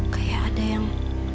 kayak ada yang